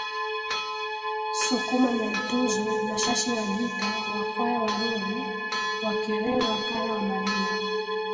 Sukuma Nyantuzu na Shashi Wajita Wakwaya Waruri Wakerewe Wakara Wamalila